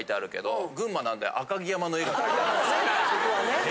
そこはね。